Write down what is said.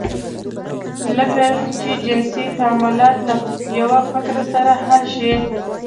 کله چې جنسي تمایلات له یوه فکر سره حل شي